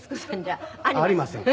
ありませんか。